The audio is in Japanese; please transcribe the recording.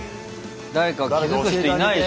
誰か気付く人いないでしょ